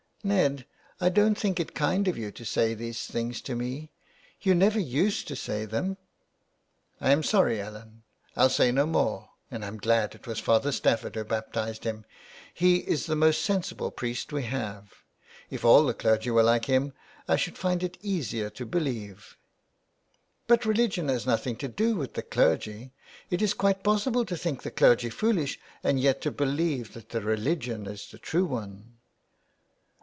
'''* Ned, I don't think it kind of you to say these things to me. You never used to say them." " I am sorry, Ellen ; I'll say no more, and I'm glad it was Father Stafford who baptised him. He is the most sensible priest we have. If all the clergy were like him I should find it easier to believe." *' But religion has nothing to do with the clergy. It is quite possible to think the clergy foolish and yet to believe that the religion is the true one."